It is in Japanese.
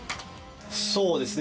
そうですね